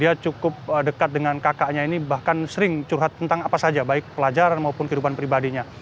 dia cukup dekat dengan kakaknya ini bahkan sering curhat tentang apa saja baik pelajaran maupun kehidupan pribadinya